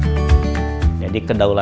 jadi kedaulatan data desa yang diperlukan adalah